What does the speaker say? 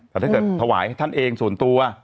แต่ถ้าเกิดถวายให้ท่านเองส่วนตัว